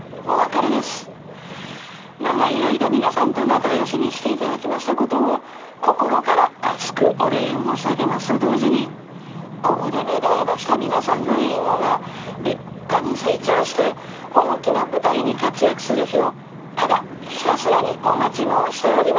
長い間皆さんと仲よしにしていただきましたことを心から厚くお礼を申し上げますと同時にここで芽生えました皆さんの英語が立派に成長して大きな舞台に活躍する日をただひたすらにお待ち申しております。